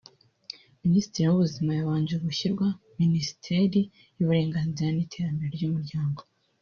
Minisitiri w’Ubuzima yabanje gushyirwa muri Minisiteri y’Uburinganire n’Iterambere ry’Umuryango